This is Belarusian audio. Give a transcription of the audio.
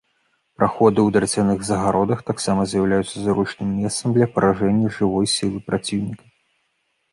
Праходы ў драцяных загародах таксама з'яўляюцца зручным месцам для паражэння жывой сілы праціўніка.